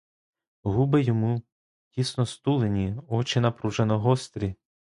Губи йому тісно стулені, очі напружено гострі.